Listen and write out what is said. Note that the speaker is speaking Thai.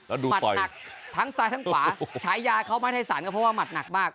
แล้วดูสอยมัดหนักทั้งซ้ายทั้งขวาใช้ยาเขามาให้ไทยสารก็เพราะว่ามัดหนักมาก